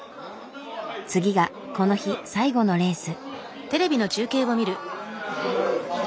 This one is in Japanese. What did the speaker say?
次がこの日最後のレース。